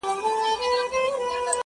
زما کار نسته کلیسا کي؛ په مسجد؛ مندِر کي؛